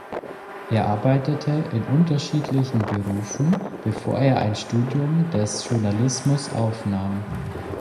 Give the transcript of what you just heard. Er arbeitete in unterschiedlichen Berufen, bevor er ein Studium des Journalismus aufnahm.